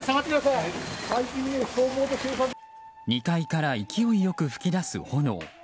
２階から勢いよく噴き出す炎。